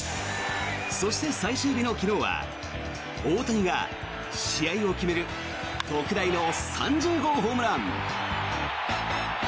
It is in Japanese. そして最終日の昨日は大谷が試合を決める特大の３０号ホームラン。